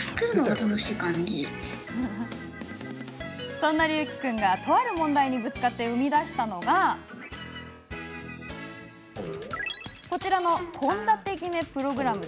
そんな竜輝君が、とある問題にぶつかって生み出したのがこちらの献立決めプログラム。